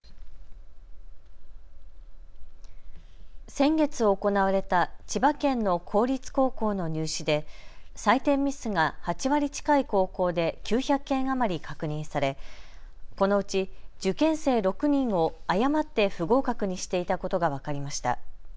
先月、行われた千葉県の公立高校の入試で採点ミスが８割近い高校で９００件余り確認されこのうち受験生６人を誤って不合格にしていたことが分かりました。